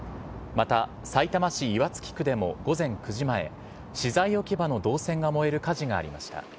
またさいたま市岩槻区でも午前９時前、資材置き場の銅線が燃える火事がありました。